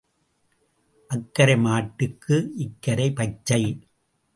அக்கரை மாட்டுக்கு இக்கரை பச்சை.